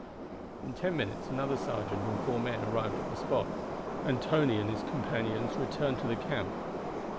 In ten minutes another sergeant and four men arrived at the spot, and Tony and his companions returned to the camp.